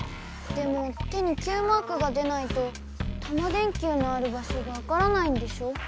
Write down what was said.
でも手にＱマークが出ないとタマ電Ｑのある場所がわからないんでしょ？